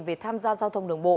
về tham gia giao thông đường bộ